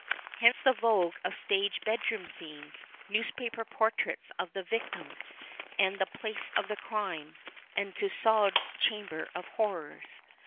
Hence the vogue of stage bedroom scenes, newspaper portraits of " the victim " and " the i)lace of the crime," and Tussaud's Chamber of Horrors.